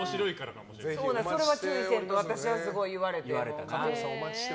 それは注意せんと私はすごい言われて。